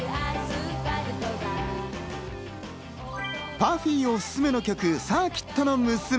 ＰＵＦＦＹおすすめの曲『サーキットの娘』。